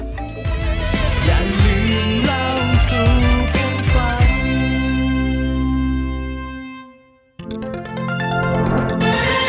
สวัสดีครับ